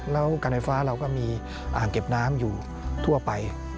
แล้วการไฟฟ้าเราก็มีอ่างเก็บน้ำอยู่ทั่วไป